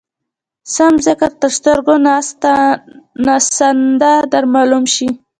سم ذکر تر سترګو ناسنته در معلوم شي.